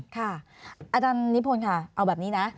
ค่ะอาจารย์นิพพลค่ะเอาแบบนี้นะ